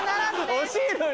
惜しいのに。